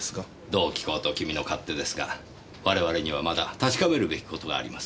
どう聞こうと君の勝手ですが我々にはまだ確かめるべきことがあります。